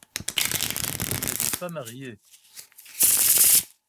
Il n'était pas marié.